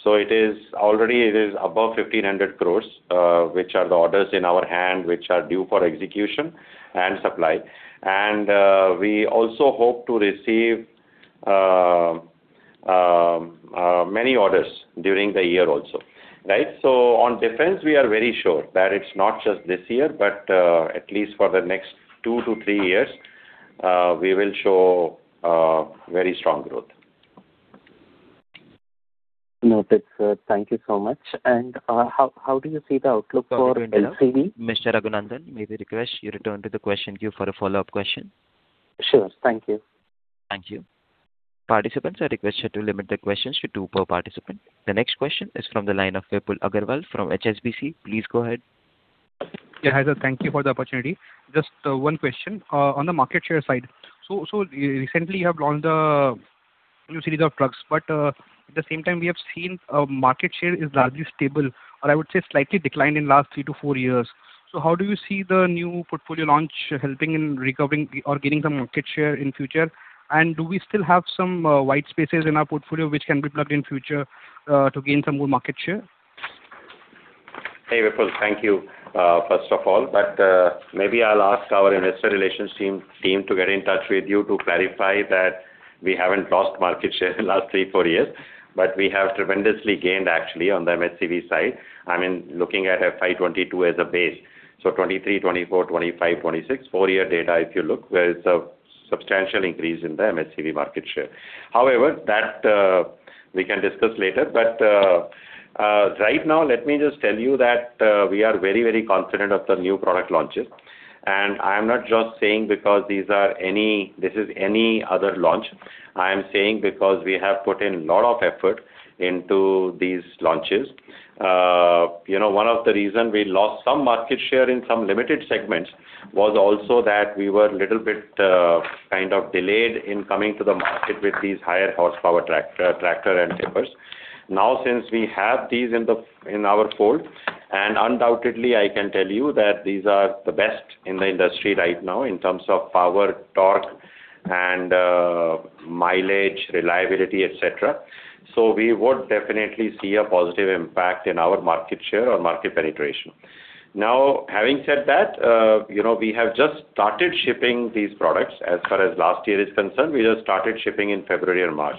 Already it is above 1,500 crore, which are the orders in our hand, which are due for execution and supply. We also hope to receive many orders during the year also, right? On Defence, we are very sure that it is not just this year, but at least for the next two to three years, we will show very strong growth. Noted, sir. Thank you so much. How do you see the outlook for LCV? Sorry to interrupt, Mr. Raghunandhan, may we request you return to the question queue for a follow-up question? Sure. Thank you. Thank you. Participants, I request you to limit the questions to two per participant. The next question is from the line of Vipul Agrawal from HSBC. Please go ahead. Yeah, hi sir. Thank you for the opportunity. Just one question. On the market share side. Recently you have launched a new series of trucks, but at the same time, we have seen market share is largely stable or I would say slightly declined in last three to four years. How do you see the new portfolio launch helping in recovering or gaining some market share in future? Do we still have some white spaces in our portfolio which can be plugged in future to gain some more market share? Hey, Vipul. Thank you first of all. Maybe I'll ask our investor relations team to get in touch with you to clarify that we haven't lost market share in the last three, four years, but we have tremendously gained actually on the MHCV side, looking at FY 2022 as a base. FY 2023, FY 2024, FY 2025, FY 2026, four-year data if you look, there is a substantial increase in the MHCV market share. That we can discuss later. Right now, let me just tell you that we are very confident of the new product launches. I am not just saying because this is any other launch. I am saying because we have put in a lot of effort into these launches. One of the reasons we lost some market share in some limited segments was also that we were little bit kind of delayed in coming to the market with these higher horsepower tractor and tippers. Since we have these in our fold, and undoubtedly, I can tell you that these are the best in the industry right now in terms of power, torque, and mileage, reliability, et cetera. We would definitely see a positive impact in our market share or market penetration. Having said that, we have just started shipping these products. As far as last year is concerned, we just started shipping in February or March.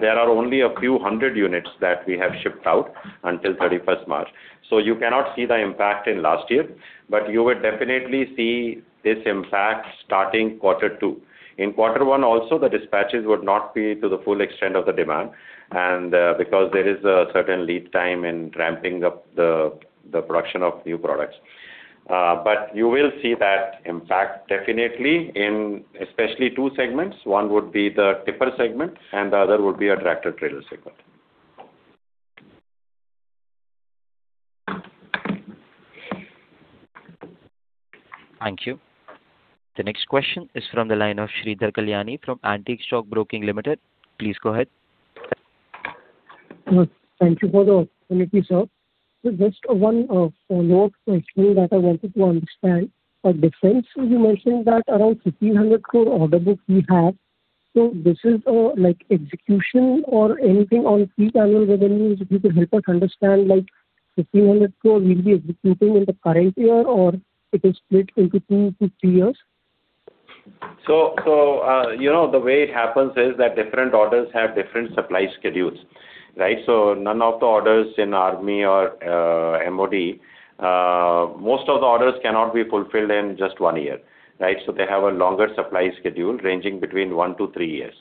There are only a few hundred units that we have shipped out until 31st March. You cannot see the impact in last year, but you would definitely see this impact starting quarter two. In quarter one also, the dispatches would not be to the full extent of the demand and because there is a certain lead time in ramping up the production of new products. You will see that impact definitely in especially two segments. One would be the tipper segment and the other would be our tractor-trailer segment. Thank you. The next question is from the line of Sridhar Kalyani from Antique Stock Broking Limited. Please go ahead. Thank you for the opportunity, sir. Just one follow-up question that I wanted to understand. For Defence, you mentioned that around 1,500 crore order book we have. This is like execution or anything on full annual revenues, if you could help us understand, 1,500 crore will be executing in the current year or it is split into two to three years? The way it happens is that different orders have different supply schedules. Right? None of the orders in Army or MOD, most of the orders cannot be fulfilled in just one year. Right? They have a longer supply schedule ranging between one to three years.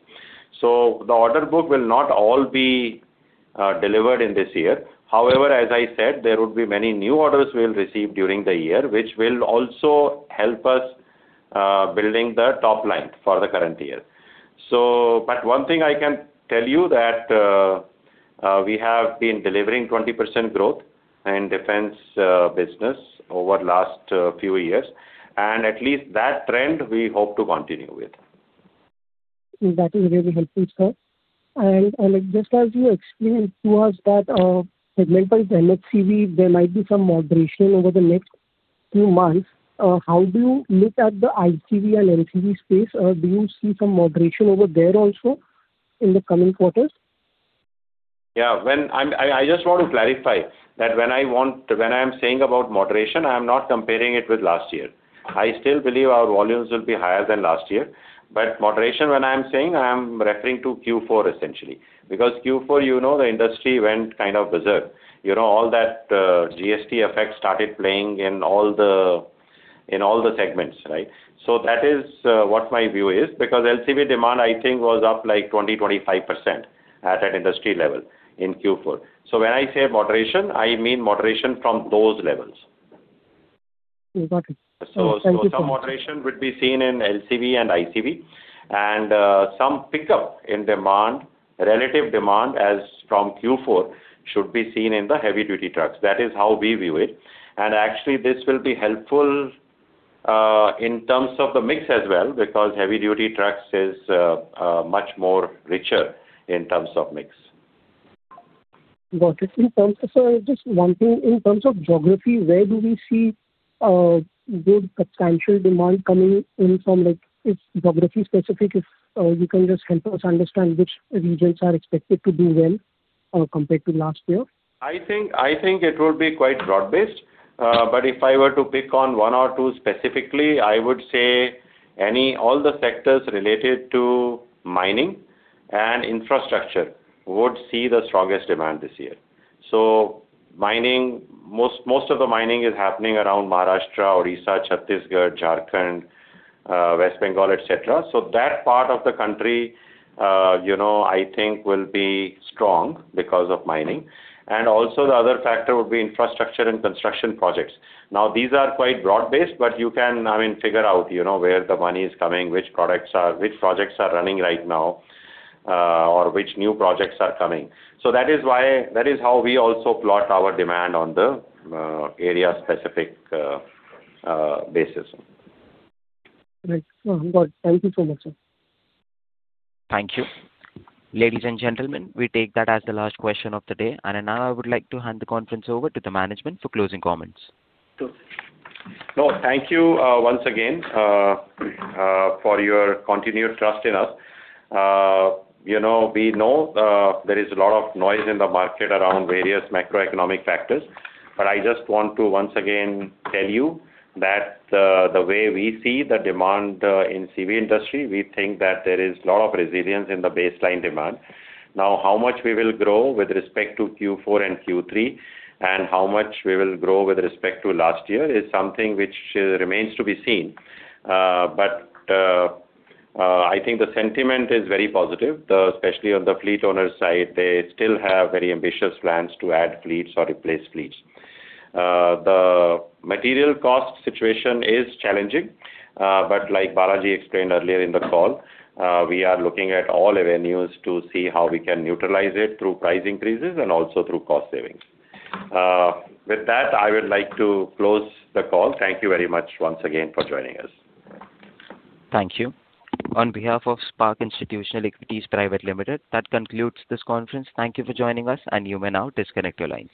The order book will not all be delivered in this year. However, as I said, there would be many new orders we'll receive during the year, which will also help us building the top line for the current year. One thing I can tell you that we have been delivering 20% growth in defence business over last few years, and at least that trend we hope to continue with. That is very helpful, sir. Just as you explained to us that segmentals MHCV, there might be some moderation over the next few months. How do you look at the ICV and LCV space? Do you see some moderation over there also in the coming quarters? Yeah. I just want to clarify that when I am saying about moderation, I am not comparing it with last year. I still believe our volumes will be higher than last year. Moderation when I am saying, I am referring to Q4 essentially. Because Q4, the industry went kind of berserk. All that GST effect started playing in all the segments, right? That is what my view is because LCV demand, I think, was up like 20%, 25% at an industry level in Q4. So when I say moderation, I mean moderation from those levels. Got it. Thank you so much. Some moderation would be seen in LCV and ICV and some pickup in demand, relative demand as from Q4 should be seen in the heavy-duty trucks. That is how we view it. Actually this will be helpful in terms of the mix as well because heavy-duty trucks is much more richer in terms of mix. Got it. Just one thing. In terms of geography, where do we see good substantial demand coming in from? Like it's geography specific, if you can just help us understand which regions are expected to do well compared to last year? I think it will be quite broad-based. If I were to pick on one or two specifically, I would say all the sectors related to mining and infrastructure would see the strongest demand this year. Mining, most of the mining is happening around Maharashtra, Odisha, Chhattisgarh, Jharkhand, West Bengal, et cetera. That part of the country I think will be strong because of mining. Also the other factor would be infrastructure and construction projects. These are quite broad-based, but you can figure out where the money is coming, which projects are running right now, or which new projects are coming. That is how we also plot our demand on the area-specific basis. Right. Got it. Thank you so much, sir. Thank you. Ladies and gentlemen, we take that as the last question of the day. Now I would like to hand the conference over to the management for closing comments. Thank you once again for your continued trust in us. We know there is a lot of noise in the market around various macroeconomic factors. I just want to once again tell you that the way we see the demand in CV industry, we think that there is a lot of resilience in the baseline demand. How much we will grow with respect to Q4 and Q3 and how much we will grow with respect to last year is something which remains to be seen. I think the sentiment is very positive, especially on the fleet owner side. They still have very ambitious plans to add fleets or replace fleets. The material cost situation is challenging. Like Balaji explained earlier in the call, we are looking at all avenues to see how we can neutralize it through price increases and also through cost savings. With that, I would like to close the call. Thank you very much once again for joining us. Thank you. On behalf of Spark Institutional Equities Private Limited, that concludes this conference. Thank you for joining us and you may now disconnect your lines.